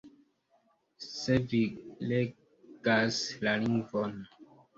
Se vi regas la lingvon.